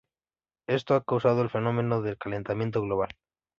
Esto ha causado el fenómeno del calentamiento global.